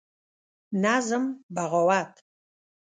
نظم: بغاوت